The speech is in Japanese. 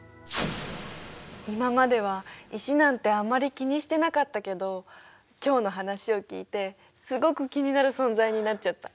今までは石なんてあまり気にしてなかったけど今日の話を聞いてすごく気になる存在になっちゃった。